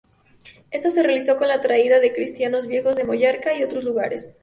Esta se realizó con la traída de cristianos viejos de Mallorca y otros lugares.